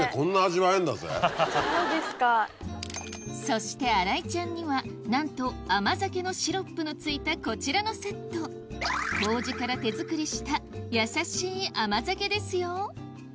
そして新井ちゃんにはなんと甘酒のシロップのついたこちらのセット麹から手作りしたやさしい甘酒ですよ